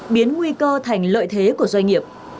biến nguy cơ thành lợi thế của doanh nghiệp